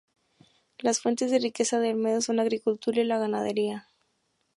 Las fuentes de riqueza de Olmedo son la agricultura y la ganadería.